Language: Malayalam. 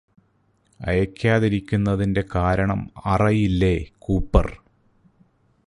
അയയ്കാതിരുന്നതിന്റെ കാരണം അറയില്ലേ കൂപ്പര്